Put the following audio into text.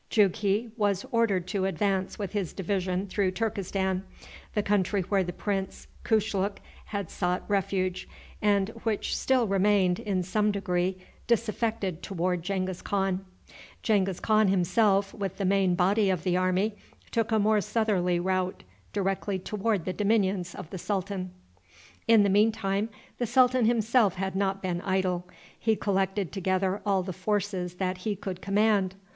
Jughi was ordered to advance with his division through Turkestan, the country where the Prince Kushluk had sought refuge, and which still remained, in some degree, disaffected toward Genghis Khan. Genghis Khan himself, with the main body of the army, took a more southerly route directly toward the dominions of the sultan. In the mean time the sultan himself had not been idle. He collected together all the forces that he could command.